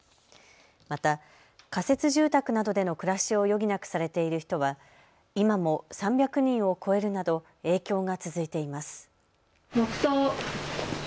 また、仮設住宅などでの暮らしを余儀なくされている人は今も３００人を超えるなど影響が続いています。